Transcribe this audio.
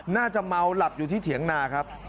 น่าจะเมาหลับอยู่ที่เถียงนาครับ